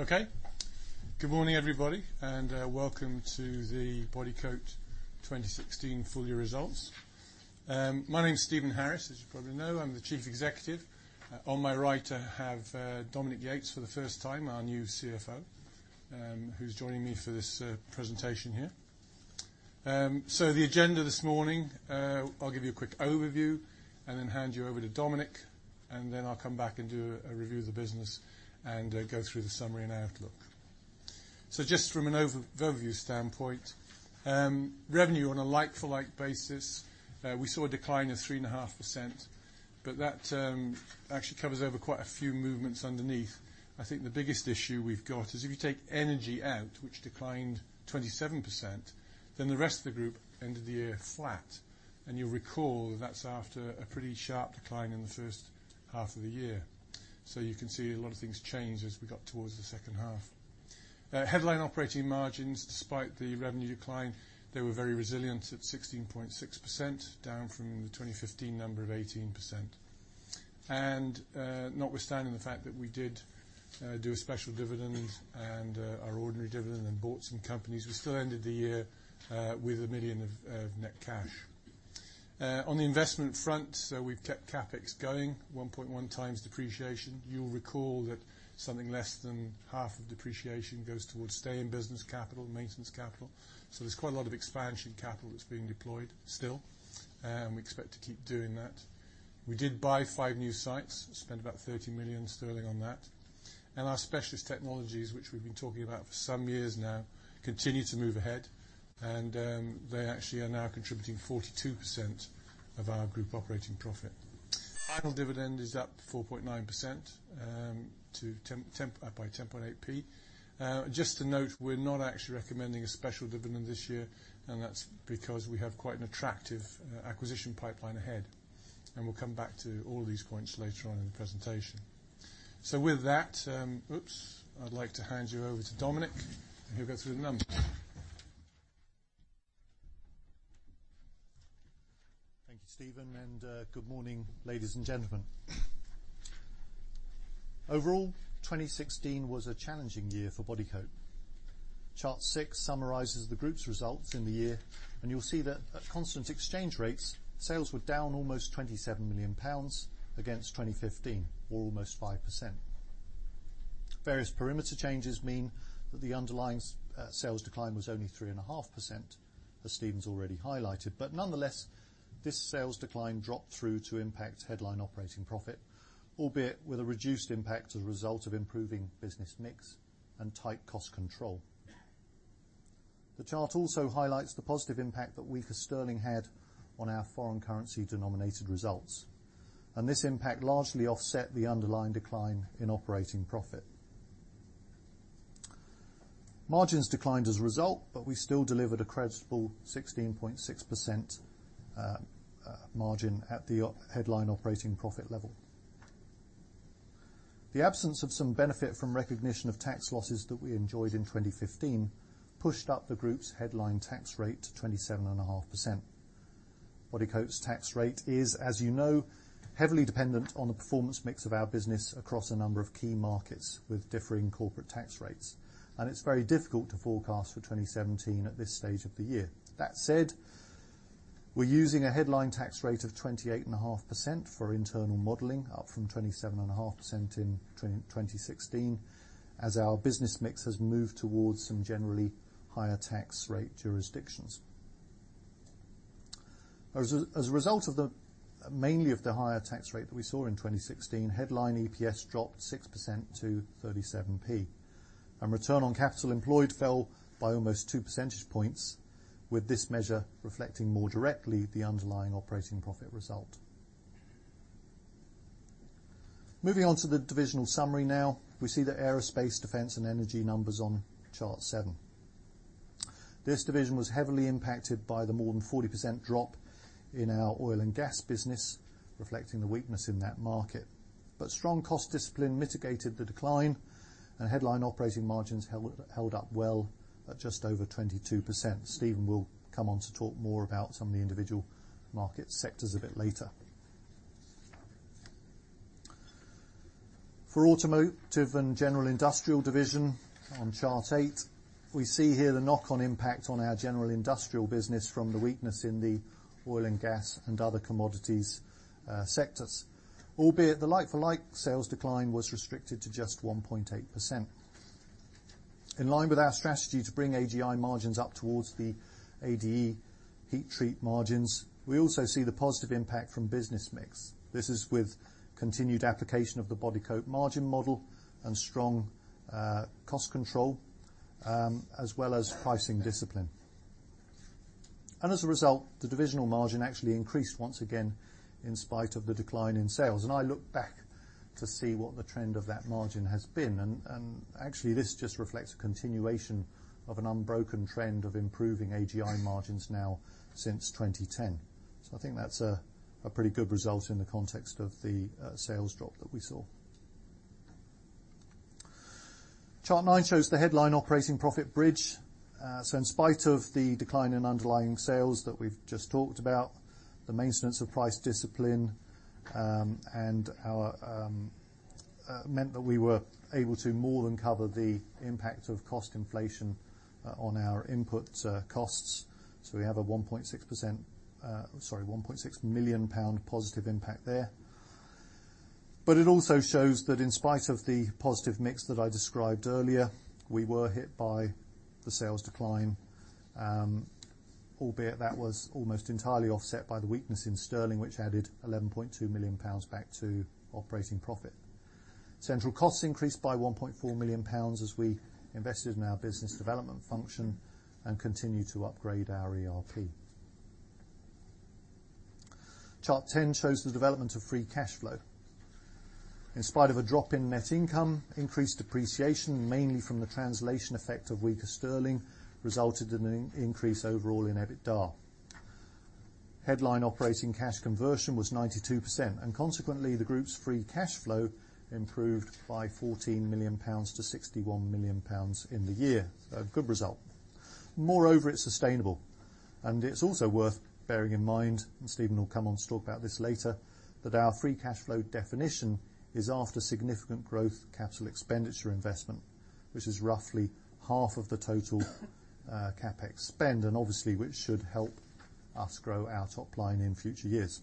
Okay. Good morning, everybody, and welcome to the Bodycote 2016 full year results. My name's Stephen Harris, as you probably know. I'm the Chief Executive. On my right I have Dominique Yates for the first time, our new CFO, who's joining me for this presentation here. So the agenda this morning: I'll give you a quick overview and then hand you over to Dominique, and then I'll come back and do a review of the business and go through the summary and outlook. So just from an overview standpoint, revenue on a like-for-like basis, we saw a decline of 3.5%, but that actually covers over quite a few movements underneath. I think the biggest issue we've got is if you take energy out, which declined 27%, then the rest of the group ended the year flat, and you'll recall that that's after a pretty sharp decline in the first half of the year. So you can see a lot of things change as we got towards the second half. Headline operating margins, despite the revenue decline, they were very resilient at 16.6%, down from the 2015 number of 18%. And notwithstanding the fact that we did do a special dividend and our ordinary dividend and bought some companies, we still ended the year with 1 million of net cash. On the investment front, we've kept CapEx going, 1.1x depreciation. You'll recall that something less than half of depreciation goes towards stay-in-business capital, maintenance capital. So there's quite a lot of expansion capital that's being deployed still, and we expect to keep doing that. We did buy five new sites, spent about 30 million sterling on that. Our specialist technologies, which we've been talking about for some years now, continue to move ahead, and they actually are now contributing 42% of our group operating profit. Final dividend is up 4.9%, by 0.108. Just to note, we're not actually recommending a special dividend this year, and that's because we have quite an attractive acquisition pipeline ahead. We'll come back to all of these points later on in the presentation. So with that, oops, I'd like to hand you over to Dominique, and he'll go through the numbers. Thank you, Stephen, and good morning, ladies and gentlemen. Overall, 2016 was a challenging year for Bodycote. Chart six summarizes the group's results in the year, and you'll see that at constant exchange rates, sales were down almost 27 million pounds against 2015, or almost 5%. Various perimeter changes mean that the underlying sales decline was only 3.5%, as Stephen's already highlighted, but nonetheless, this sales decline dropped through to impact headline operating profit, albeit with a reduced impact as a result of improving business mix and tight cost control. The chart also highlights the positive impact that weaker sterling had on our foreign currency-denominated results, and this impact largely offset the underlying decline in operating profit. Margins declined as a result, but we still delivered a credible 16.6% margin at the headline operating profit level. The absence of some benefit from recognition of tax losses that we enjoyed in 2015 pushed up the group's headline tax rate to 27.5%. Bodycote's tax rate is, as you know, heavily dependent on the performance mix of our business across a number of key markets with differing corporate tax rates, and it's very difficult to forecast for 2017 at this stage of the year. That said, we're using a headline tax rate of 28.5% for internal modeling, up from 27.5% in 2016, as our business mix has moved towards some generally higher tax rate jurisdictions. As a result mainly of the higher tax rate that we saw in 2016, headline EPS dropped 6% to 37p, and return on capital employed fell by almost two percentage points, with this measure reflecting more directly the underlying operating profit result. Moving on to the divisional summary now, we see the aerospace, defense, and energy numbers on chart seven. This division was heavily impacted by the more than 40% drop in our oil and gas business, reflecting the weakness in that market. But strong cost discipline mitigated the decline, and headline operating margins held up well at just over 22%. Stephen will come on to talk more about some of the individual market sectors a bit later. For automotive and general industrial division on chart eight, we see here the knock-on impact on our general industrial business from the weakness in the oil and gas and other commodities sectors, albeit the like-for-like sales decline was restricted to just 1.8%. In line with our strategy to bring AGI margins up towards the ADE heat treat margins, we also see the positive impact from business mix. This is with continued application of the Bodycote margin model and strong cost control, as well as pricing discipline. As a result, the divisional margin actually increased once again in spite of the decline in sales. And I look back to see what the trend of that margin has been, and actually this just reflects a continuation of an unbroken trend of improving AGI margins now since 2010. So I think that's a pretty good result in the context of the sales drop that we saw. Chart nine shows the headline operating profit bridge. So in spite of the decline in underlying sales that we've just talked about, the maintenance of price discipline meant that we were able to more than cover the impact of cost inflation on our input costs. So we have a GBP 1.6 million+ impact there. It also shows that in spite of the positive mix that I described earlier, we were hit by the sales decline, albeit that was almost entirely offset by the weakness in sterling, which added 11.2 million pounds back to operating profit. Central costs increased by 1.4 million pounds as we invested in our business development function and continued to upgrade our ERP. Chart 10 shows the development of free cash flow. In spite of a drop in net income, increased depreciation, mainly from the translation effect of weaker sterling, resulted in an increase overall in EBITDA. Headline operating cash conversion was 92%, and consequently, the group's free cash flow improved by 14 million pounds to 61 million pounds in the year. A good result. Moreover, it's sustainable. It's also worth bearing in mind, and Stephen will come on to talk about this later, that our free cash flow definition is after significant growth capital expenditure investment, which is roughly half of the total CapEx spend, and obviously which should help us grow our top line in future years.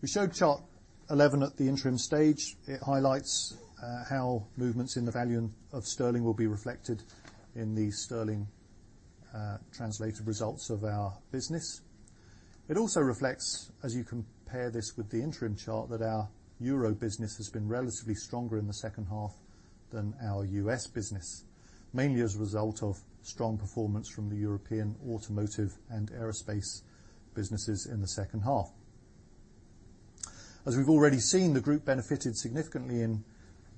We showed chart 11 at the interim stage. It highlights how movements in the value of sterling will be reflected in the sterling translated results of our business. It also reflects, as you compare this with the interim chart, that our euro business has been relatively stronger in the second half than our U.S. business, mainly as a result of strong performance from the European automotive and aerospace businesses in the second half. As we've already seen, the group benefited significantly in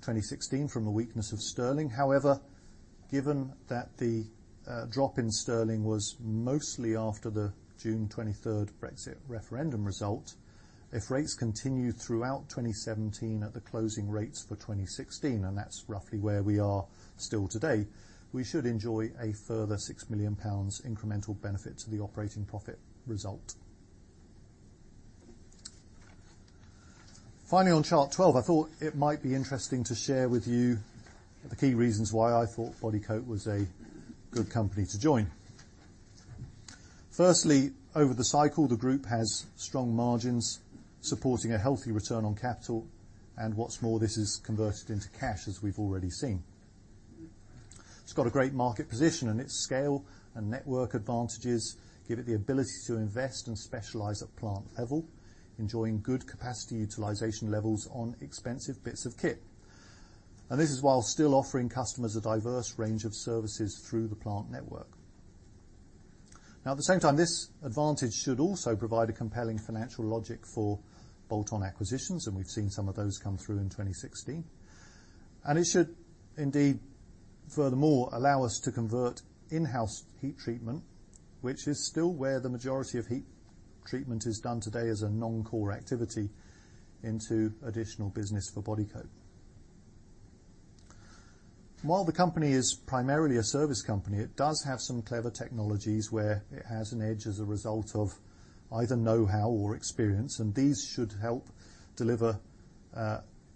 2016 from the weakness of sterling. However, given that the drop in sterling was mostly after the June 23rd Brexit referendum result, if rates continue throughout 2017 at the closing rates for 2016, and that's roughly where we are still today, we should enjoy a further 6 million pounds incremental benefit to the operating profit result. Finally, on chart 12, I thought it might be interesting to share with you the key reasons why I thought Bodycote was a good company to join. Firstly, over the cycle, the group has strong margins supporting a healthy return on capital, and what's more, this is converted into cash, as we've already seen. It's got a great market position, and its scale and network advantages give it the ability to invest and specialize at plant level, enjoying good capacity utilization levels on expensive bits of kit. This is while still offering customers a diverse range of services through the plant network. Now, at the same time, this advantage should also provide a compelling financial logic for bolt-on acquisitions, and we've seen some of those come through in 2016. It should indeed, furthermore, allow us to convert in-house heat treatment, which is still where the majority of heat treatment is done today as a non-core activity, into additional business for Bodycote. While the company is primarily a service company, it does have some clever technologies where it has an edge as a result of either know-how or experience, and these should help deliver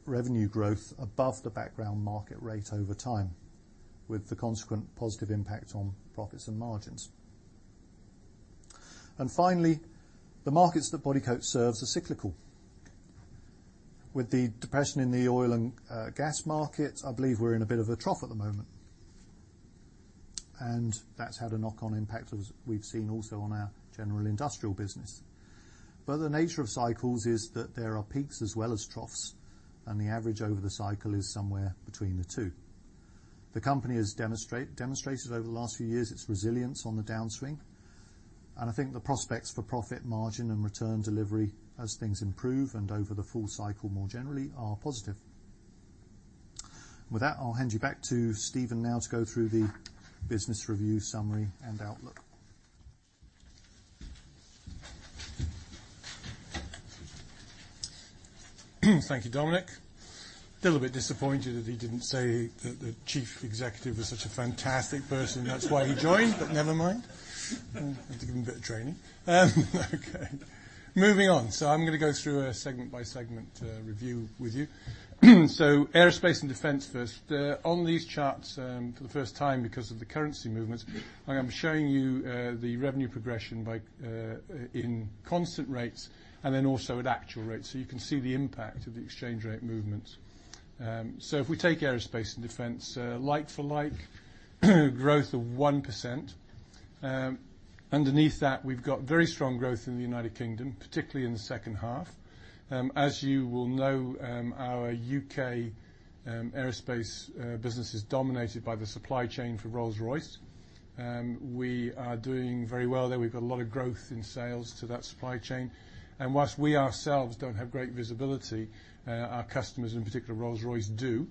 revenue growth above the background market rate over time, with the consequent positive impact on profits and margins. Finally, the markets that Bodycote serves are cyclical. With the depression in the oil and gas market, I believe we're in a bit of a trough at the moment, and that's had a knock-on impact as we've seen also on our general industrial business. But the nature of cycles is that there are peaks as well as troughs, and the average over the cycle is somewhere between the two. The company has demonstrated over the last few years its resilience on the downswing, and I think the prospects for profit margin and return delivery as things improve and over the full cycle more generally are positive. With that, I'll hand you back to Stephen now to go through the business review summary and outlook. Thank you, Dominique. A little bit disappointed that he didn't say that the chief executive was such a fantastic person and that's why he joined, but never mind. I had to give him a bit of training. Okay. Moving on. So I'm going to go through a segment-by-segment review with you. So aerospace and defense first. On these charts, for the first time, because of the currency movements, I'm showing you the revenue progression in constant rates and then also at actual rates. So you can see the impact of the exchange rate movements. So if we take aerospace and defense, like-for-like growth of 1%. Underneath that, we've got very strong growth in the United Kingdom, particularly in the second half. As you will know, our U.K. aerospace business is dominated by the supply chain for Rolls-Royce. We are doing very well there. We've got a lot of growth in sales to that supply chain. While we ourselves don't have great visibility, our customers, in particular Rolls-Royce, do.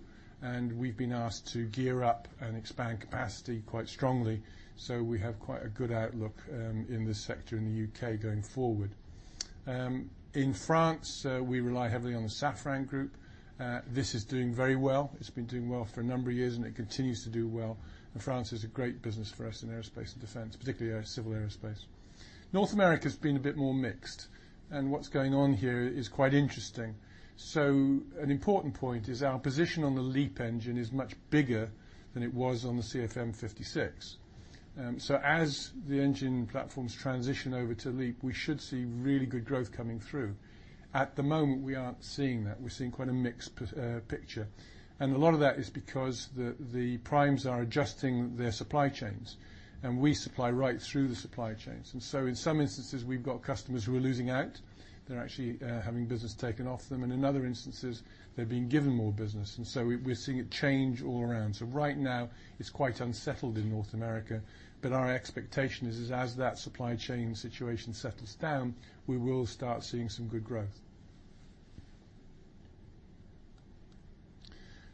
We've been asked to gear up and expand capacity quite strongly, so we have quite a good outlook in this sector in the U.K. going forward. In France, we rely heavily on the Safran Group. This is doing very well. It's been doing well for a number of years, and it continues to do well. France is a great business for us in aerospace and defense, particularly civil aerospace. North America's been a bit more mixed, and what's going on here is quite interesting. An important point is our position on the LEAP engine is much bigger than it was on the CFM56. As the engine platforms transition over to LEAP, we should see really good growth coming through. At the moment, we aren't seeing that. We're seeing quite a mixed picture. And a lot of that is because the primes are adjusting their supply chains, and we supply right through the supply chains. And so in some instances, we've got customers who are losing out. They're actually having business taken off them. And in other instances, they're being given more business. And so we're seeing it change all around. So right now, it's quite unsettled in North America, but our expectation is as that supply chain situation settles down, we will start seeing some good growth.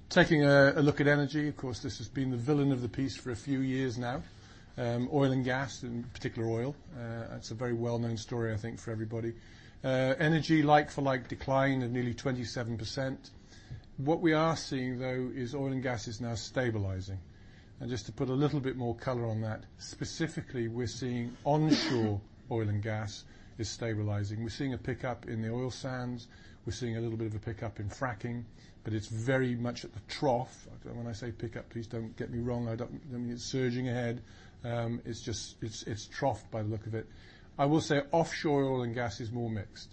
Taking a look at energy, of course, this has been the villain of the piece for a few years now. Oil and gas, in particular oil, that's a very well-known story, I think, for everybody. Energy, like-for-like decline of nearly 27%. What we are seeing, though, is oil and gas is now stabilizing. Just to put a little bit more color on that, specifically, we're seeing onshore oil and gas is stabilizing. We're seeing a pickup in the oil sands. We're seeing a little bit of a pickup in fracking, but it's very much at the trough. When I say pickup, please don't get me wrong. I don't mean it's surging ahead. It's troughed by the look of it. I will say offshore oil and gas is more mixed.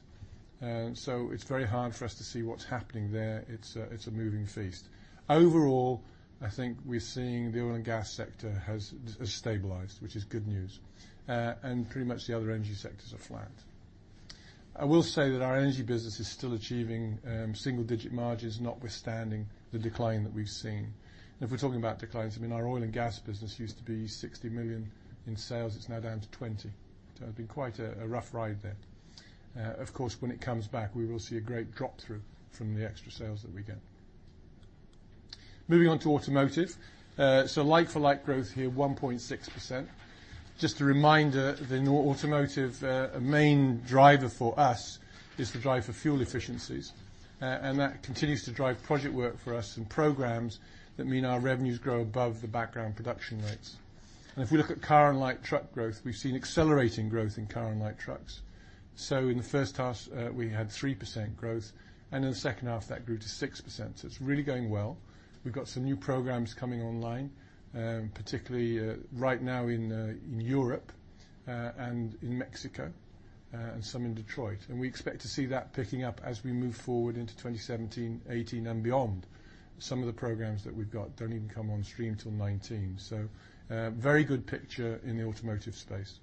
It's very hard for us to see what's happening there. It's a moving feast. Overall, I think we're seeing the oil and gas sector has stabilized, which is good news. Pretty much the other energy sectors are flat. I will say that our energy business is still achieving single-digit margins, notwithstanding the decline that we've seen. If we're talking about declines, I mean, our oil and gas business used to be 60 million in sales. It's now down to 20 million. So it's been quite a rough ride there. Of course, when it comes back, we will see a great drop through from the extra sales that we get. Moving on to automotive. Like-for-like growth here, 1.6%. Just a reminder, the automotive, a main driver for us, is the drive for fuel efficiencies. That continues to drive project work for us and programs that mean our revenues grow above the background production rates. If we look at car-and-light truck growth, we've seen accelerating growth in car-and-light trucks. In the first half, we had 3% growth, and in the second half, that grew to 6%. It's really going well. We've got some new programs coming online, particularly right now in Europe and in Mexico and some in Detroit. We expect to see that picking up as we move forward into 2017, 2018, and beyond. Some of the programs that we've got don't even come on stream till 2019. So very good picture in the automotive space.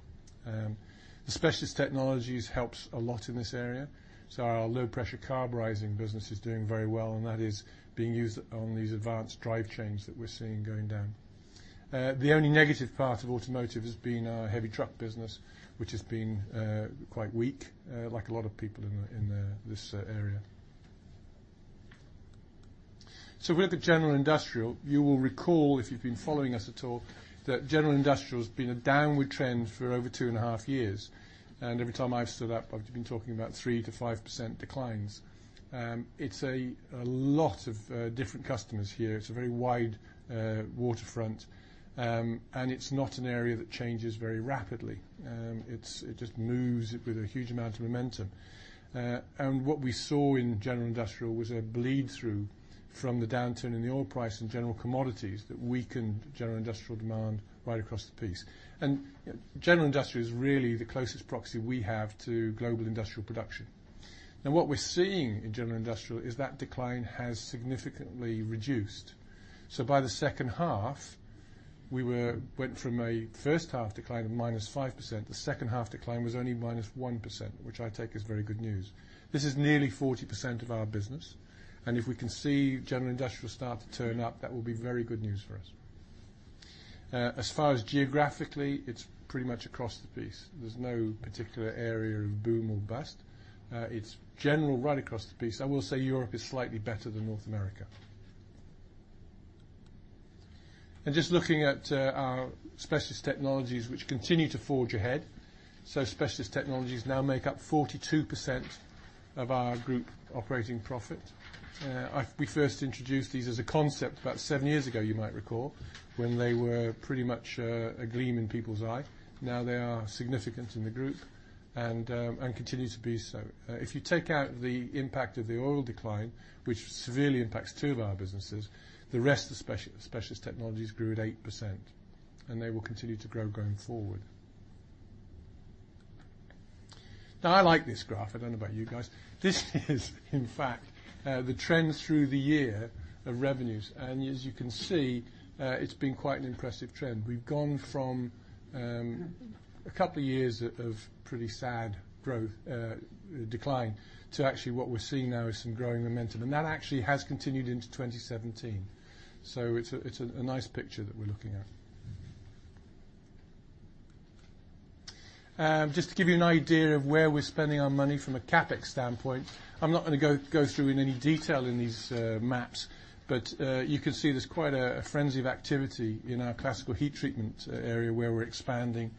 The specialist technologies helps a lot in this area. So our low-pressure carburizing business is doing very well, and that is being used on these advanced drive chains that we're seeing going down. The only negative part of automotive has been our heavy truck business, which has been quite weak, like a lot of people in this area. So if we look at general industrial, you will recall, if you've been following us at all, that general industrial's been a downward trend for over two and a half years. Every time I've stood up, I've been talking about 3%-5% declines. It's a lot of different customers here. It's a very wide waterfront, and it's not an area that changes very rapidly. It just moves with a huge amount of momentum. What we saw in general industrial was a bleed through from the downturn in the oil price and general commodities that weakened general industrial demand right across the piece. General industrial is really the closest proxy we have to global industrial production. Now, what we're seeing in general industrial is that decline has significantly reduced. So by the second half, we went from a first-half decline of -5%. The second-half decline was only -1%, which I take as very good news. This is nearly 40% of our business. And if we can see general industrial start to turn up, that will be very good news for us. As far as geographically, it's pretty much across the piece. There's no particular area of boom or bust. It's general right across the piece. I will say Europe is slightly better than North America. And just looking at our Specialist Technologies, which continue to forge ahead, so Specialist Technologies now make up 42% of our group operating profit. We first introduced these as a concept about seven years ago, you might recall, when they were pretty much a gleam in people's eye. Now they are significant in the group and continue to be so. If you take out the impact of the oil decline, which severely impacts two of our businesses, the rest of Specialist Technologies grew at 8%, and they will continue to grow going forward. Now, I like this graph. I don't know about you guys. This is, in fact, the trend through the year of revenues. And as you can see, it's been quite an impressive trend. We've gone from a couple of years of pretty sad decline, to actually what we're seeing now is some growing momentum. And that actually has continued into 2017. So it's a nice picture that we're looking at. Just to give you an idea of where we're spending our money from a CapEx standpoint, I'm not going to go through in any detail in these maps, but you can see there's quite a frenzy of activity in our Classical Heat Treatment area where we're expanding.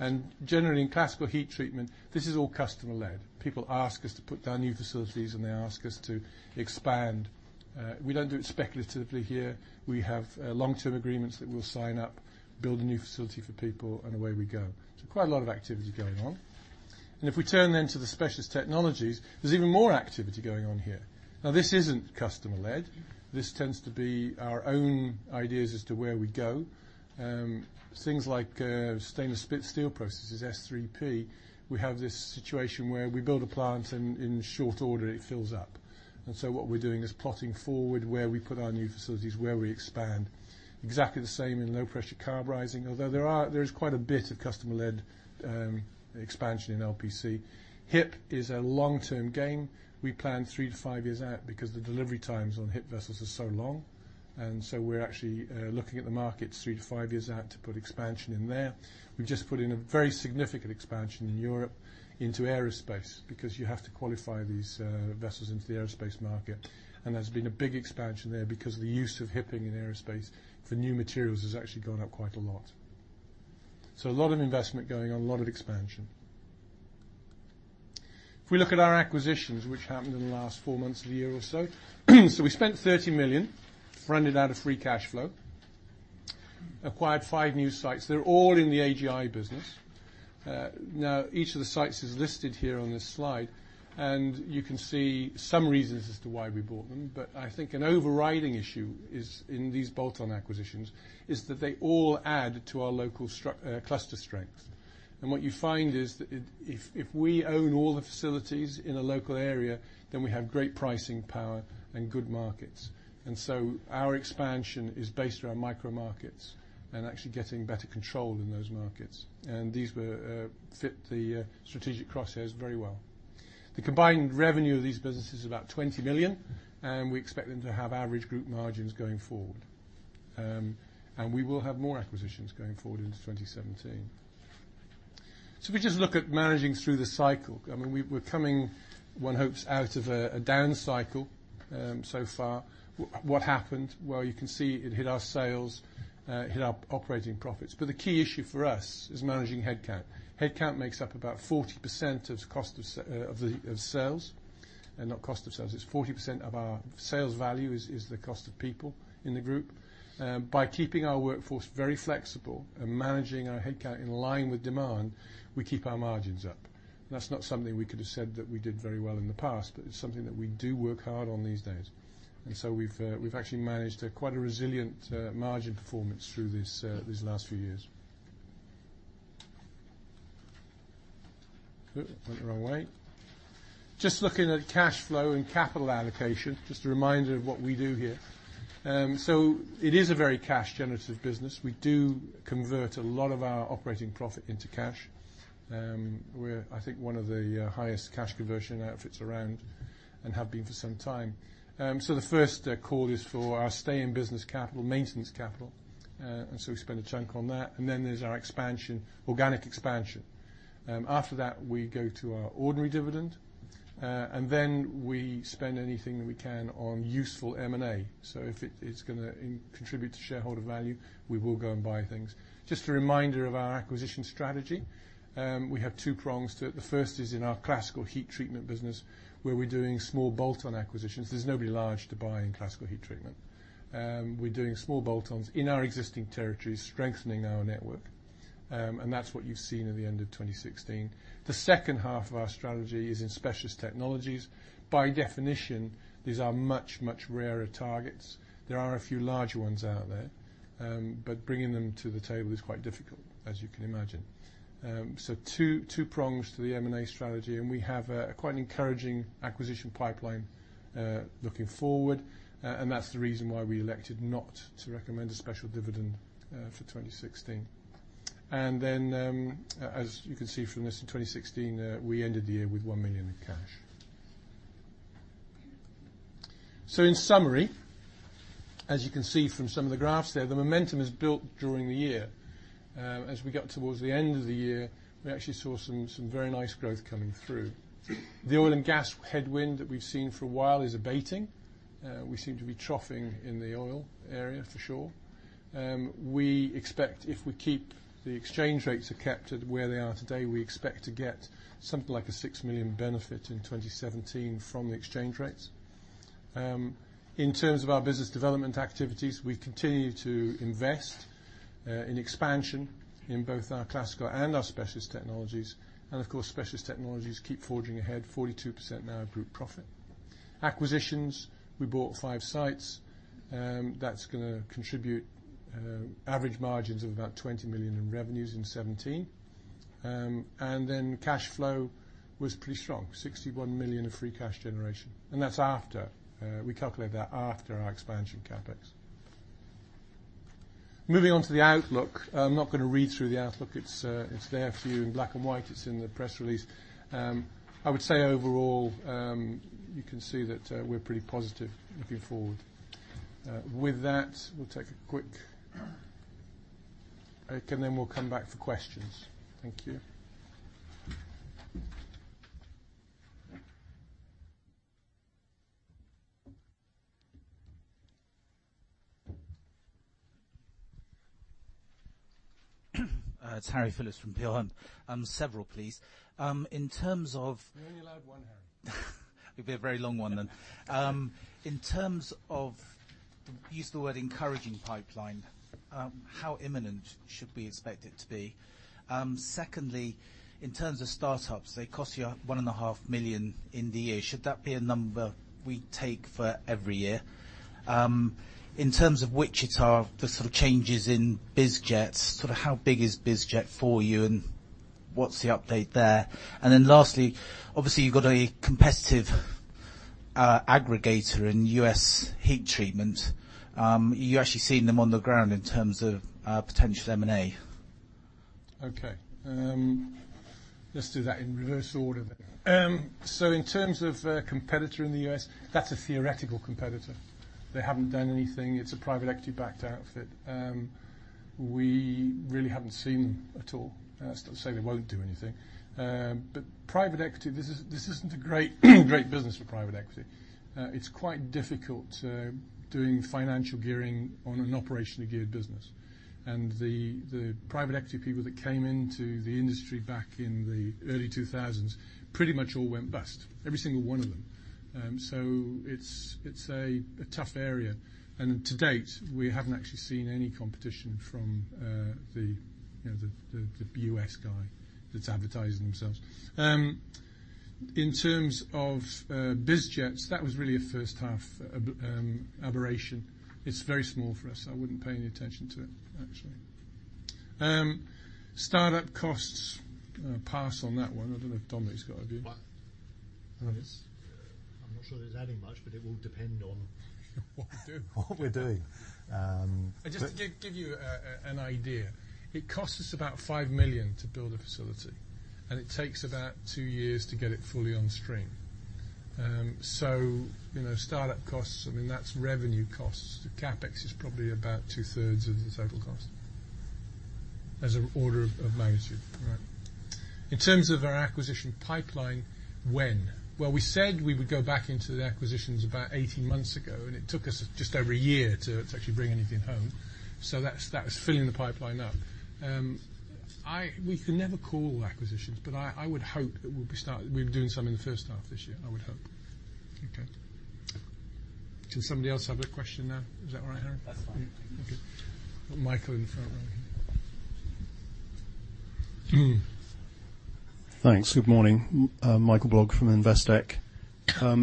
And generally, in Classical Heat Treatment, this is all customer-led. People ask us to put down new facilities, and they ask us to expand. We don't do it speculatively here. We have long-term agreements that we'll sign up, build a new facility for people, and away we go. Quite a lot of activity going on. If we turn then to the Specialist Technologies, there's even more activity going on here. Now, this isn't customer-led. This tends to be our own ideas as to where we go. Things like stainless steel processes, S³P, we have this situation where we build a plant, and in short order, it fills up. What we're doing is plotting forward where we put our new facilities, where we expand. Exactly the same in low-pressure carburizing, although there is quite a bit of customer-led expansion in LPC. HIP is a long-term game. We plan three to five years out because the delivery times on HIP vessels are so long. We're actually looking at the markets three to five years out to put expansion in there. We've just put in a very significant expansion in Europe into aerospace because you have to qualify these vessels into the aerospace market. And there's been a big expansion there because the use of HIPing in aerospace for new materials has actually gone up quite a lot. So a lot of investment going on, a lot of expansion. If we look at our acquisitions, which happened in the last four months of the year or so, so we spent 30 million, run it out of free cash flow, acquired five new sites. They're all in the AGI business. Now, each of the sites is listed here on this slide, and you can see some reasons as to why we bought them. I think an overriding issue in these bolt-on acquisitions is that they all add to our local cluster strength. What you find is that if we own all the facilities in a local area, then we have great pricing power and good markets. So our expansion is based around micro-markets and actually getting better control in those markets. These fit the strategic crosshairs very well. The combined revenue of these businesses is about 20 million, and we expect them to have average group margins going forward. We will have more acquisitions going forward into 2017. If we just look at managing through the cycle, I mean, we're coming, one hopes, out of a down cycle so far. What happened? Well, you can see it hit our sales, it hit our operating profits. The key issue for us is managing headcount. Headcount makes up about 40% of the cost of sales and not cost of sales. It's 40% of our sales value is the cost of people in the group. By keeping our workforce very flexible and managing our headcount in line with demand, we keep our margins up. That's not something we could have said that we did very well in the past, but it's something that we do work hard on these days. And so we've actually managed quite a resilient margin performance through these last few years. Went the wrong way. Just looking at cash flow and capital allocation, just a reminder of what we do here. So it is a very cash-generative business. We do convert a lot of our operating profit into cash. We're, I think, one of the highest cash conversion outfits around and have been for some time. So the first call is for our stay-in-business Capital, maintenance capital. And so we spend a chunk on that. And then there's our expansion, organic expansion. After that, we go to our ordinary dividend, and then we spend anything that we can on useful M&A. So if it's going to contribute to shareholder value, we will go and buy things. Just a reminder of our acquisition strategy, we have two prongs to it. The first is in our Classical Heat Treatment business, where we're doing small bolt-on acquisitions. There's nobody large to buy in Classical Heat Treatment. We're doing small bolt-ons in our existing territories, strengthening our network. And that's what you've seen at the end of 2016. The second half of our strategy is in Specialist Technologies. By definition, these are much, much rarer targets. There are a few larger ones out there, but bringing them to the table is quite difficult, as you can imagine. So two prongs to the M&A strategy, and we have a quite encouraging acquisition pipeline looking forward. And that's the reason why we elected not to recommend a special dividend for 2016. And then, as you can see from this, in 2016, we ended the year with 1 million in cash. So in summary, as you can see from some of the graphs there, the momentum is built during the year. As we got towards the end of the year, we actually saw some very nice growth coming through. The oil and gas headwind that we've seen for a while is abating. We seem to be troughing in the oil area, for sure. We expect, if we keep the exchange rates kept at where they are today, we expect to get something like a 6 million benefit in 2017 from the exchange rates. In terms of our business development activities, we continue to invest in expansion in both our classical and our specialist technologies. And of course, specialist technologies keep forging ahead, 42% now of group profit. Acquisitions, we bought five sites. That's going to contribute average margins of about 20 million in revenues in 2017. And then cash flow was pretty strong, 61 million of free cash generation. And that's after. We calculate that after our expansion CapEx. Moving on to the outlook, I'm not going to read through the outlook. It's there for you in black and white. It's in the press release. I would say overall, you can see that we're pretty positive looking forward. With that, we'll take a quick break, and then we'll come back for questions. Thank you. It's Harry Phillips from Peel Hunt. Several, please. In terms of. You only allowed one, Harry. It'd be a very long one then. In terms of, you used the word encouraging pipeline, how imminent should we expect it to be? Secondly, in terms of startups, they cost you 1.5 million in the year. Should that be a number we take for every year? In terms of Wichita, the sort of changes in bizjets, sort of how big is bizjet for you, and what's the update there? And then lastly, obviously, you've got a competitive aggregator in U.S. heat treatment. You've actually seen them on the ground in terms of potential M&A. Okay. Let's do that in reverse order then. So in terms of a competitor in the U.S., that's a theoretical competitor. They haven't done anything. It's a private equity-backed outfit. We really haven't seen them at all. That's not to say they won't do anything. But private equity, this isn't a great business for private equity. It's quite difficult doing financial gearing on an operationally geared business. And the private equity people that came into the industry back in the early 2000s pretty much all went bust, every single one of them. So it's a tough area. And to date, we haven't actually seen any competition from the U.S. guy that's advertising themselves. In terms of bizjets, that was really a first-half aberration. It's very small for us. I wouldn't pay any attention to it, actually. Startup costs, pass on that one. I don't know if Dominique's got a view. What? I don't know. Yes? I'm not sure there's adding much, but it will depend on. What we're doing. What we're doing. Just to give you an idea, it costs us about 5 million to build a facility, and it takes about two years to get it fully on stream. So startup costs, I mean, that's revenue costs. The CapEx is probably about two-thirds of the total cost as an order of magnitude, right? In terms of our acquisition pipeline, when? Well, we said we would go back into the acquisitions about 18 months ago, and it took us just over a year to actually bring anything home. So that was filling the pipeline up. We can never call acquisitions, but I would hope that we'll be starting we'll be doing some in the first half this year. I would hope. Okay. Can somebody else have a question now? Is that all right, Harry? That's fine. Okay. I've got Michael in the front row here. Thanks. Good morning. Michael Blogg from Investec.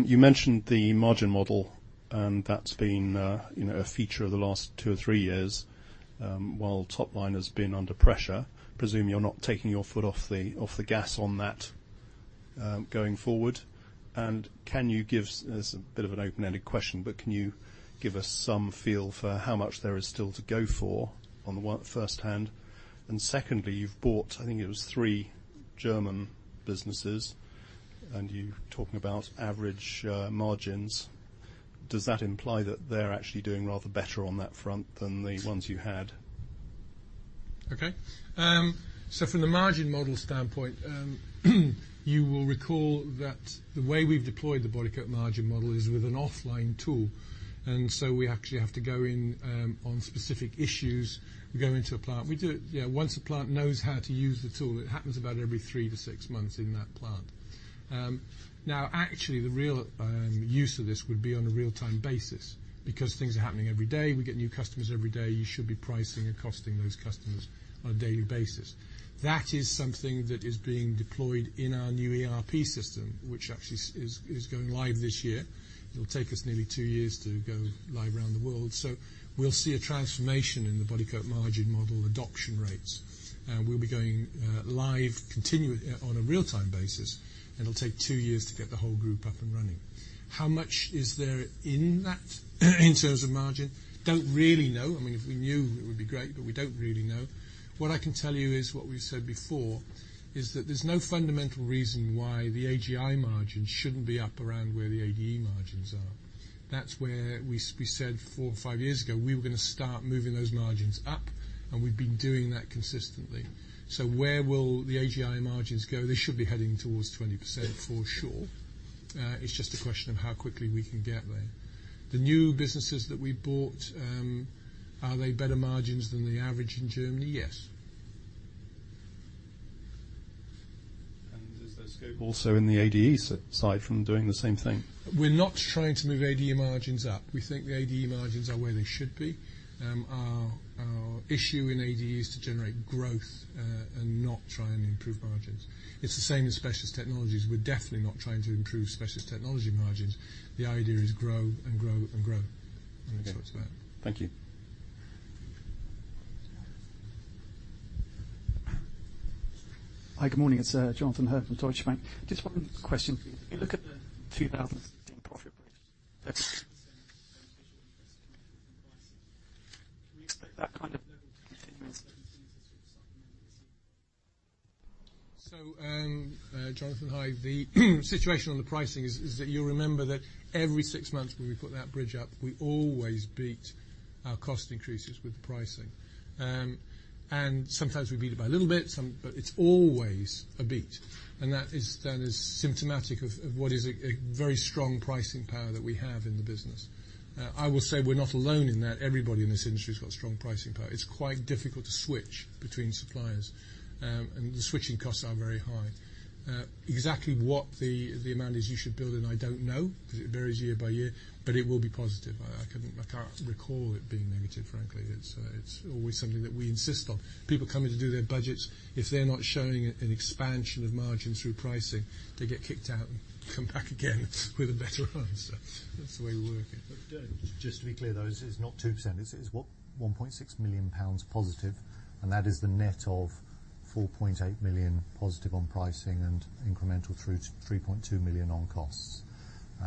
You mentioned the margin model, and that's been a feature of the last two or three years. While Topline has been under pressure, presume you're not taking your foot off the gas on that going forward. And can you give this is a bit of an open-ended question, but can you give us some feel for how much there is still to go for on the first hand? And secondly, you've bought, I think it was three German businesses, and you're talking about average margins. Does that imply that they're actually doing rather better on that front than the ones you had? Okay. From the margin model standpoint, you will recall that the way we've deployed the Bodycote margin model is with an offline tool. We actually have to go in on specific issues. We go into a plant. Yeah, once a plant knows how to use the tool, it happens about every three to six months in that plant. Now, actually, the real use of this would be on a real-time basis because things are happening every day. We get new customers every day. You should be pricing and costing those customers on a daily basis. That is something that is being deployed in our new ERP system, which actually is going live this year. It'll take us nearly two years to go live around the world. We'll see a transformation in the Bodycote margin model adoption rates. We'll be going live on a real-time basis, and it'll take two years to get the whole group up and running. How much is there in that in terms of margin? Don't really know. I mean, if we knew, it would be great, but we don't really know. What I can tell you is what we've said before, is that there's no fundamental reason why the AGI margins shouldn't be up around where the ADE margins are. That's where we said four or five years ago, we were going to start moving those margins up, and we've been doing that consistently. So where will the AGI margins go? They should be heading towards 20% for sure. It's just a question of how quickly we can get there. The new businesses that we bought, are they better margins than the average in Germany? Yes. Is there scope also in the ADE side from doing the same thing? We're not trying to move ADE margins up. We think the ADE margins are where they should be. Our issue in ADE is to generate growth and not try and improve margins. It's the same in specialist technologies. We're definitely not trying to improve specialist technology margins. The idea is grow and grow and grow. I think that's what it's about. Okay. Thank you. Hi. Good morning. It's Jonathan Hurn from Deutsche Bank. Just one question. If you look at the 2016 profits. 70% beneficial interest coming through from pricing. Can we expect that kind of level to continue in 2017 to sort of supplement this year? So, Jonathan Hurn, the situation on the pricing is that you'll remember that every six months when we put that bridge up, we always beat our cost increases with the pricing. And sometimes we beat it by a little bit, but it's always a beat. And that is symptomatic of what is a very strong pricing power that we have in the business. I will say we're not alone in that. Everybody in this industry has got strong pricing power. It's quite difficult to switch between suppliers, and the switching costs are very high. Exactly what the amount is you should build in, I don't know because it varies year by year, but it will be positive. I can't recall it being negative, frankly. It's always something that we insist on. People coming to do their budgets, if they're not showing an expansion of margin through pricing, they get kicked out and come back again with a better answer. That's the way we work it. Just to be clear, though, it's not 2%. It's 1.6 million pounds+, and that is the net of 4.8 million+ on pricing and incremental through to 3.2 million on costs.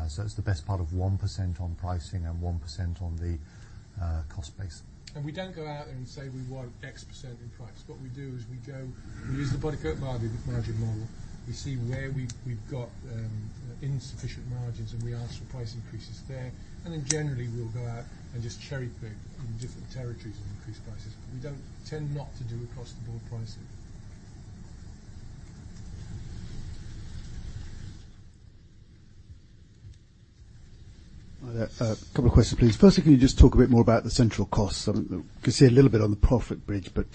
So it's the best part of 1% on pricing and 1% on the cost base. We don't go out there and say we want X% in price. What we do is we use the Bodycote margin model. We see where we've got insufficient margins, and we ask for price increases there. And then generally, we'll go out and just cherry-pick in different territories and increase prices. We don't tend not to do across-the-board pricing. A couple of questions, please. Firstly, can you just talk a bit more about the central costs? I can see a little bit on the profit bridge, but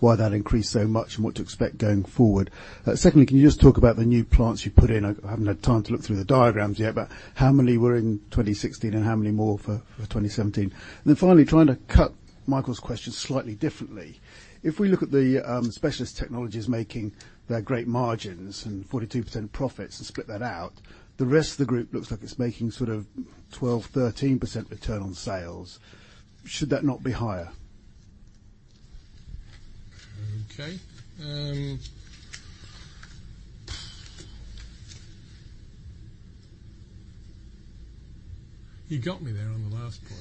why that increased so much and what to expect going forward. Secondly, can you just talk about the new plants you put in? I haven't had time to look through the diagrams yet, but how many were in 2016 and how many more for 2017? And then finally, trying to cut Michael's question slightly differently, if we look at the specialist technologies making their great margins and 42% profits and split that out, the rest of the group looks like it's making sort of 12%-13% return on sales. Should that not be higher? Okay. You got me there on the last point.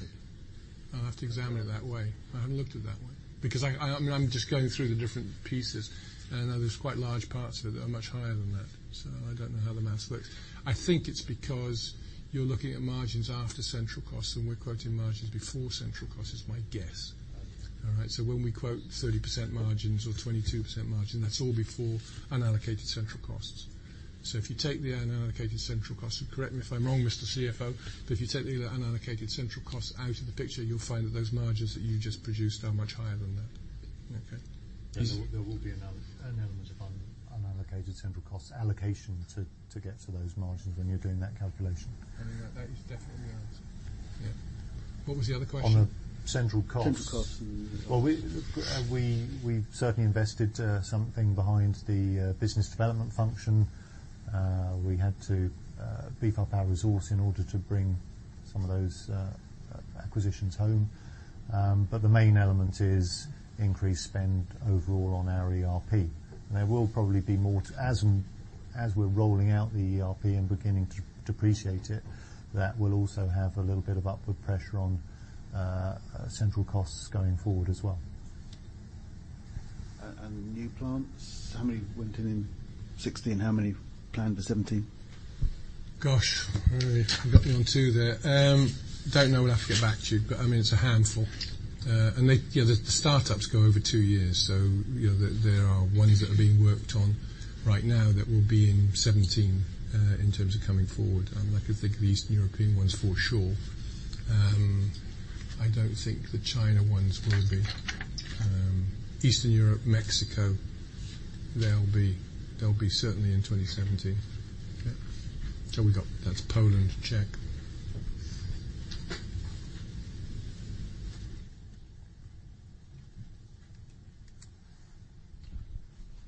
I'll have to examine it that way. I haven't looked at it that way because, I mean, I'm just going through the different pieces, and I know there's quite large parts of it that are much higher than that. So I don't know how the math looks. I think it's because you're looking at margins after central costs, and we're quoting margins before central costs is my guess, all right? So when we quote 30% margins or 22% margin, that's all before unallocated central costs. So if you take the unallocated central costs and correct me if I'm wrong, Mr. CFO, but if you take the unallocated central costs out of the picture, you'll find that those margins that you just produced are much higher than that. Okay? There will be an element of unallocated central costs allocation to get to those margins when you're doing that calculation. I mean, that is definitely the answer. Yeah. What was the other question? On the central costs. Central costs and. Well, we've certainly invested something behind the business development function. We had to beef up our resource in order to bring some of those acquisitions home. But the main element is increased spend overall on our ERP. And there will probably be more, as we're rolling out the ERP and beginning to depreciate it, that will also have a little bit of upward pressure on central costs going forward as well. New plants, how many went in in 2016? How many planned for 2017? Gosh, I've got me on two there. Don't know. We'll have to get back to you, but I mean, it's a handful. And yeah, the startups go over two years. So there are ones that are being worked on right now that will be in 2017 in terms of coming forward. I mean, I could think of the Eastern European ones for sure. I don't think the China ones will be. Eastern Europe, Mexico, they'll be certainly in 2017. Okay. So that's Poland, Czech.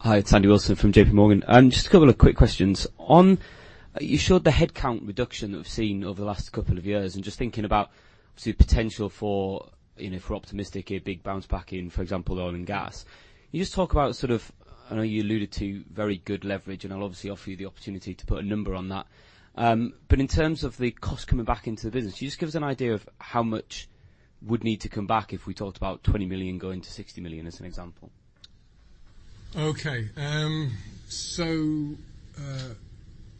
Hi. It's Andy Wilson from J.P. Morgan. Just a couple of quick questions. You showed the headcount reduction that we've seen over the last couple of years, and just thinking about, obviously, the potential for, if we're optimistic, a big bounce back in, for example, oil and gas, you just talk about sort of I know you alluded to very good leverage, and I'll obviously offer you the opportunity to put a number on that. But in terms of the cost coming back into the business, can you just give us an idea of how much would need to come back if we talked about 20 million going to 60 million as an example? Okay. So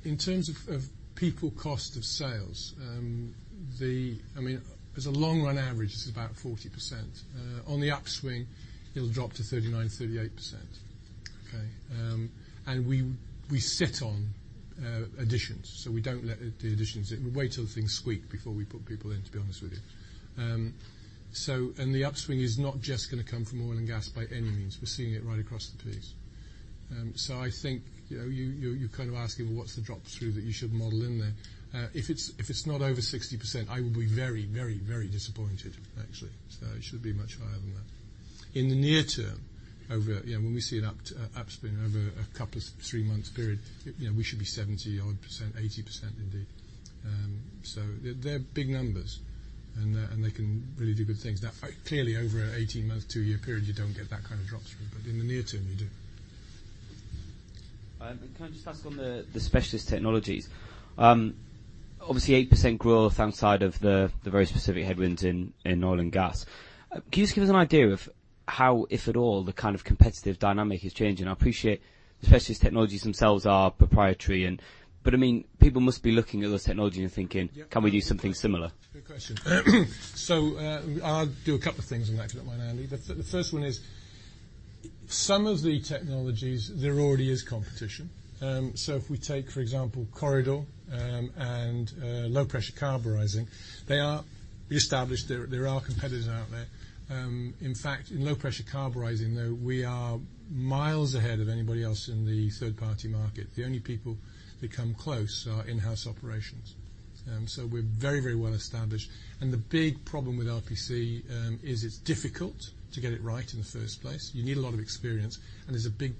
in terms of people cost of sales, I mean, as a long-run average, it's about 40%. On the upswing, it'll drop to 39%-38%. Okay? And we sit on additions, so we don't let the additions we wait till things squeak before we put people in, to be honest with you. And the upswing is not just going to come from oil and gas by any means. We're seeing it right across the piece. So I think you're kind of asking, "Well, what's the drop-through that you should model in there?" If it's not over 60%, I would be very, very, very disappointed, actually. So it should be much higher than that. In the near term, when we see an upswing over a couple of three-month period, we should be 70-odd%, 80% indeed. So they're big numbers, and they can really do good things. Now, clearly, over an 18-month, two-year period, you don't get that kind of drop-through, but in the near term, you do. Can I just ask on the specialist technologies? Obviously, 8% growth outside of the very specific headwinds in oil and gas. Can you just give us an idea of how, if at all, the kind of competitive dynamic is changing? I appreciate the specialist technologies themselves are proprietary, but I mean, people must be looking at those technologies and thinking, "Can we do something similar? Good question. So I'll do a couple of things on that if you don't mind, Andy. The first one is some of the technologies. There already is competition. So if we take, for example, Corr-I-Dur and low-pressure carburizing, they are established. There are competitors out there. In fact, in low-pressure carburizing, though, we are miles ahead of anybody else in the third-party market. The only people that come close are in-house operations. So we're very, very well established. And the big problem with LPC is it's difficult to get it right in the first place. You need a lot of experience, and there's a big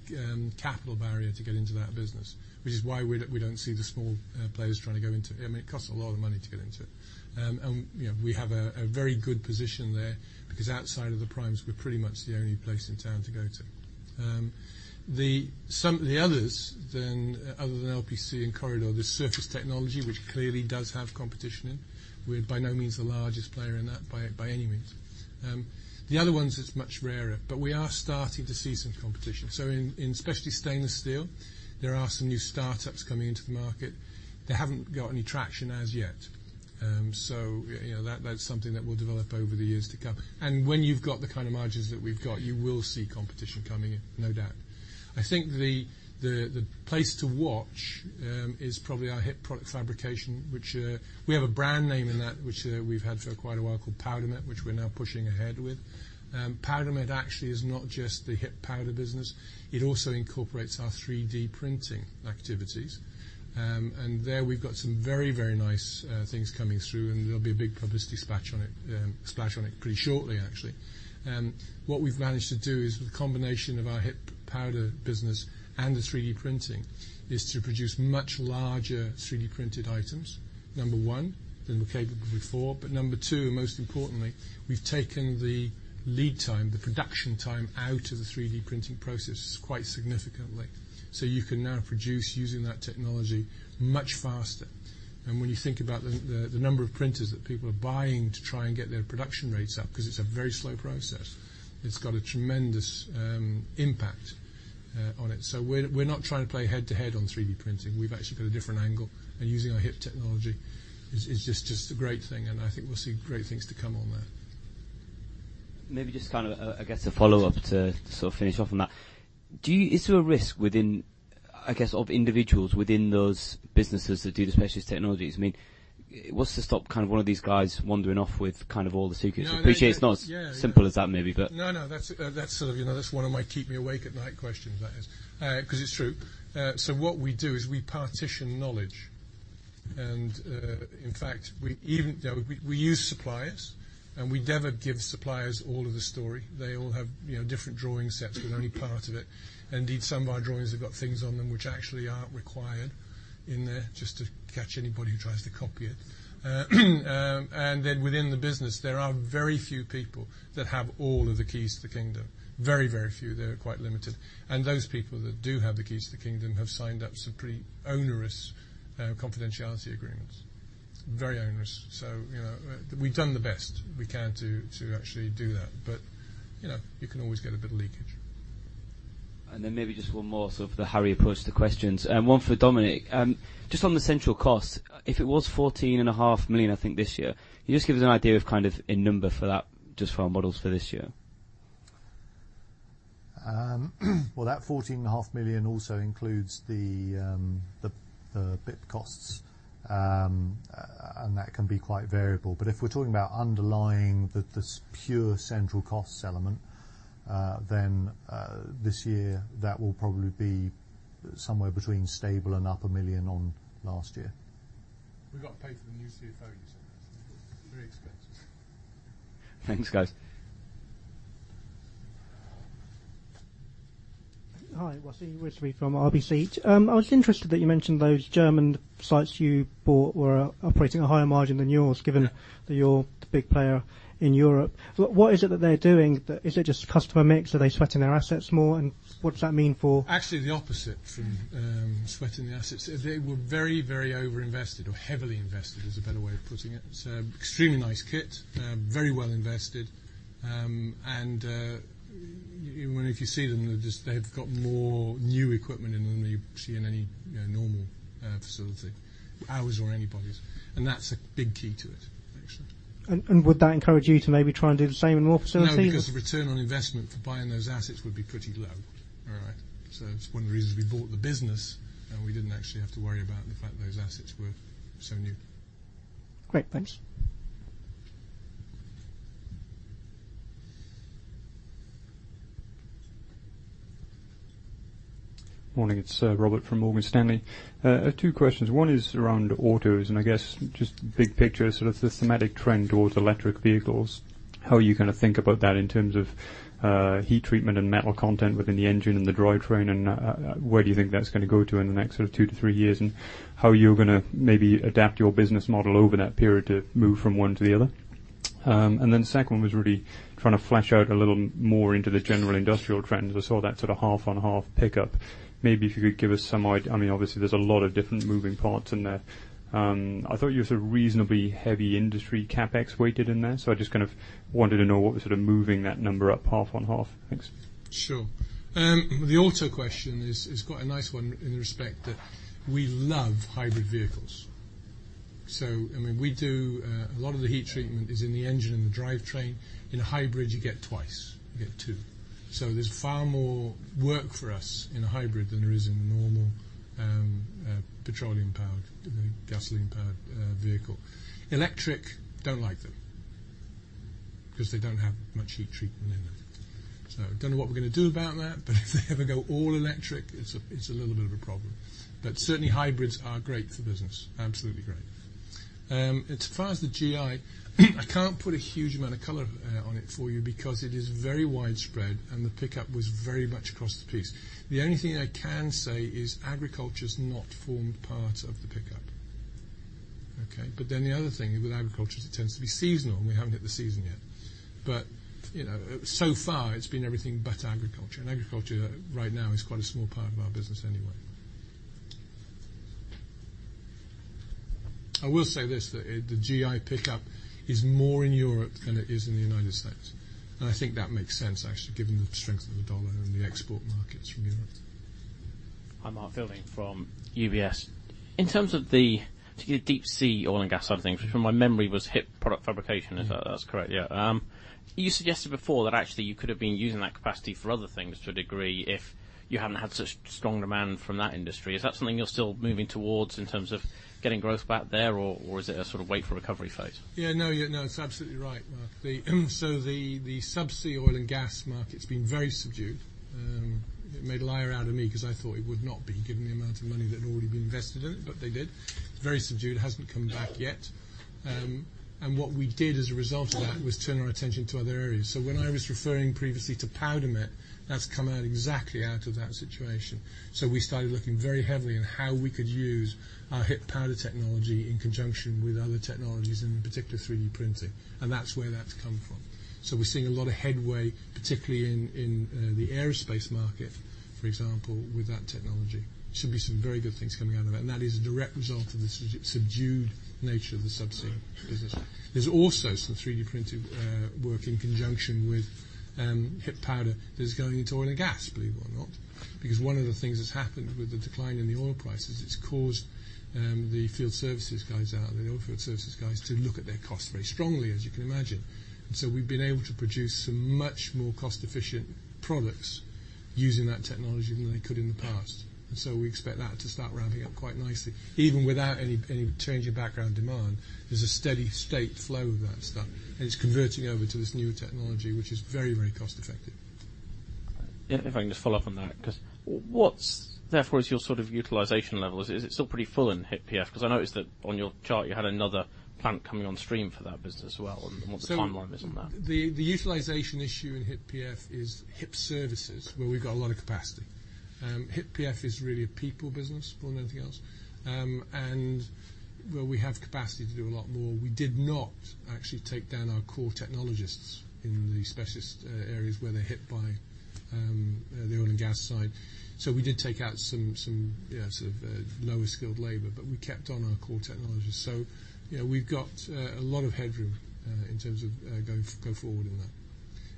capital barrier to get into that business, which is why we don't see the small players trying to go into it. I mean, it costs a lot of money to get into it. And we have a very good position there because outside of the primes, we're pretty much the only place in town to go to. The others, other than LPC and Corr-I-Dur, there's surface technology, which clearly does have competition in. We're by no means the largest player in that by any means. The other ones, it's much rarer, but we are starting to see some competition. So in especially stainless steel, there are some new startups coming into the market. They haven't got any traction as yet. So that's something that will develop over the years to come. And when you've got the kind of margins that we've got, you will see competition coming in, no doubt. I think the place to watch is probably our HIP product fabrication, which we have a brand name in that which we've had for quite a while called Powdermet, which we're now pushing ahead with. Powdermet actually is not just the HIP powder business. It also incorporates our 3D printing activities. And there, we've got some very, very nice things coming through, and there'll be a big publicity splash on it pretty shortly, actually. What we've managed to do is with a combination of our HIP powder business and the 3D printing is to produce much larger 3D-printed items, number one, than we're capable of before. But number two, most importantly, we've taken the lead time, the production time out of the 3D printing process quite significantly. So you can now produce using that technology much faster. When you think about the number of printers that people are buying to try and get their production rates up because it's a very slow process, it's got a tremendous impact on it. So we're not trying to play head-to-head on 3D printing. We've actually got a different angle, and using our HIP technology is just a great thing, and I think we'll see great things to come on that. Maybe just kind of, I guess, a follow-up to sort of finish off on that. Is there a risk, I guess, of individuals within those businesses that do the specialist technologies? I mean, what's to stop kind of one of these guys wandering off with kind of all the secrets? I appreciate it's not as simple as that maybe, but. No, no. That's sort of one of my keep-me-awake-at-night questions, that is, because it's true. So what we do is we partition knowledge. And in fact, we use suppliers, and we never give suppliers all of the story. They all have different drawing sets with only part of it. Indeed, some of our drawings have got things on them which actually aren't required in there just to catch anybody who tries to copy it. And then within the business, there are very few people that have all of the keys to the kingdom. Very, very few. They're quite limited. And those people that do have the keys to the kingdom have signed up some pretty onerous confidentiality agreements. Very onerous. So we've done the best we can to actually do that, but you can always get a bit of leakage. Then maybe just one more sort of a hurried approach to questions. One for Dominique. Just on the central costs, if it was 14.5 million, I think, this year, can you just give us an idea of kind of a number for that just for our models for this year? Well, that 14.5 million also includes the BIP costs, and that can be quite variable. But if we're talking about underlying this pure central costs element, then this year, that will probably be somewhere between stable and up 1 million on last year. We've got to pay for the new CFO, you said, right? Very expensive. Thanks, guys. Hi. Wasi Rizvi from RBC. I was interested that you mentioned those German sites you bought were operating a higher margin than yours, given that you're the big player in Europe. What is it that they're doing? Is it just customer mix? Are they sweating their assets more? And what does that mean for? Actually, the opposite from sweating the assets. They were very, very overinvested or heavily invested, is a better way of putting it. It's an extremely nice kit, very well invested. Even if you see them, they've got more new equipment in them than you'd see in any normal facility, ours or anybody's. That's a big key to it, actually. Would that encourage you to maybe try and do the same in more facilities? No, because the return on investment for buying those assets would be pretty low, all right? So it's one of the reasons we bought the business, and we didn't actually have to worry about the fact those assets were so new. Great. Thanks. Morning. It's Robert from Morgan Stanley. Two questions. One is around autos, and I guess just big picture, sort of the thematic trend towards electric vehicles, how you kind of think about that in terms of heat treatment and metal content within the engine and the drivetrain, and where do you think that's going to go to in the next sort of two to three years, and how you're going to maybe adapt your business model over that period to move from one to the other. And then the second one was really trying to flesh out a little more into the general industrial trends. I saw that sort of half-on-half pickup. Maybe if you could give us some. I mean, obviously, there's a lot of different moving parts in there. I thought you had sort of reasonably heavy industry CapEx weighted in there, so I just kind of wanted to know what was sort of moving that number up half-on-half. Thanks. Sure. The auto question has got a nice one in the respect that we love hybrid vehicles. So I mean, a lot of the heat treatment is in the engine and the drivetrain. In a hybrid, you get twice. You get two. So there's far more work for us in a hybrid than there is in a normal petroleum-powered, gasoline-powered vehicle. Electric, don't like them because they don't have much heat treatment in them. So I don't know what we're going to do about that, but if they ever go all electric, it's a little bit of a problem. But certainly, hybrids are great for business. Absolutely great. As far as the GI, I can't put a huge amount of color on it for you because it is very widespread, and the pickup was very much across the piece. The only thing I can say is agriculture's not formed part of the pickup. Okay? But then the other thing, with agriculture, it tends to be seasonal, and we haven't hit the season yet. But so far, it's been everything but agriculture. And agriculture right now is quite a small part of our business anyway. I will say this, that the GI pickup is more in Europe than it is in the United States. And I think that makes sense, actually, given the strength of the U.S. dollar and the export markets from Europe. I'm Mark Fielding from UBS. In terms of the deep-sea oil and gas side of things, from my memory, was HIP product fabrication. Is that correct? Yeah. You suggested before that actually you could have been using that capacity for other things to a degree if you hadn't had such strong demand from that industry. Is that something you're still moving towards in terms of getting growth back there, or is it a sort of wait-for-recovery phase? Yeah. No, no. It's absolutely right, Mark. So the subsea oil and gas market's been very subdued. It made a liar out of me because I thought it would not be given the amount of money that had already been invested in it, but they did. It's very subdued. It hasn't come back yet. And what we did as a result of that was turn our attention to other areas. So when I was referring previously to Powdermet, that's come out exactly out of that situation. So we started looking very heavily in how we could use our HIP powder technology in conjunction with other technologies, in particular 3D printing. And that's where that's come from. So we're seeing a lot of headway, particularly in the aerospace market, for example, with that technology. There should be some very good things coming out of that, and that is a direct result of the subdued nature of the subsea business. There's also some 3D printing work in conjunction with HIP powder that's going into oil and gas, believe it or not, because one of the things that's happened with the decline in the oil prices is it's caused the field services guys out there, the oil field services guys, to look at their costs very strongly, as you can imagine. And so we've been able to produce some much more cost-efficient products using that technology than they could in the past. And so we expect that to start ramping up quite nicely. Even without any change in background demand, there's a steady state flow of that stuff, and it's converting over to this newer technology, which is very, very cost-effective. If I can just follow up on that because therefore is your sort of utilization level. Is it still pretty full in HIP? Because I noticed that on your chart, you had another plant coming on stream for that business as well, and what the timeline is on that. So the utilization issue in HIP is HIP services, where we've got a lot of capacity. HIP is really a people business, more than anything else, and where we have capacity to do a lot more. We did not actually take down our core technologists in the specialist areas where they're hit by the oil and gas side. So we did take out some sort of lower-skilled labor, but we kept on our core technologists. So we've got a lot of headroom in terms of going forward in that.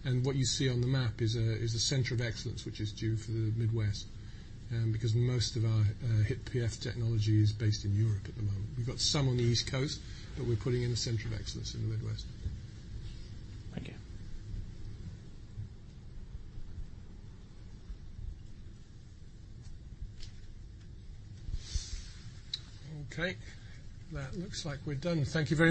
And what you see on the map is a center of excellence, which is due for the Midwest, because most of our HIP technology is based in Europe at the moment. We've got some on the East Coast, but we're putting in a center of excellence in the Midwest. Thank you. Okay. That looks like we're done. Thank you.